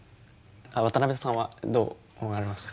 渡さんはどう思われました？